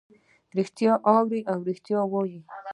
ریښتیا واوري او ریښتیا ووایي.